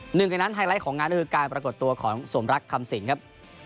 หนึ่งในนั้นไฮไลท์ของงานก็คือการปรากฏตัวของสมรักคำสิงครับ